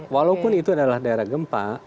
walaupun itu adalah daerah gempa